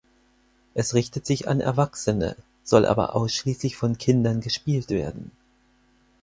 Es richtet sich an Erwachsene, soll aber ausschließlich von Kindern gespielt werden.